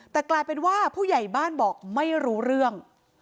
แต่กลายเป็นว่าผู้ใหญ่บ้านบอกไม่รู้เรื่อง